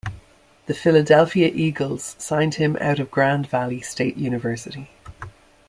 The Philadelphia Eagles signed him out of Grand Valley State University.